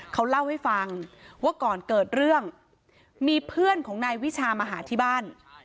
เขาเล่าให้ฟังว่าก่อนเกิดเรื่องมีเพื่อนของนายวิชามาหาที่บ้าน